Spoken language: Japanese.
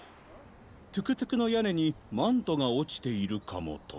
トゥクトゥクのやねにマントがおちているかもと。